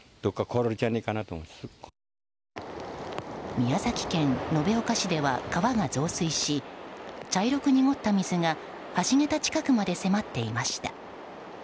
宮崎県延岡市では川が増水し茶色く濁った水が橋げた近くまで迫っていました。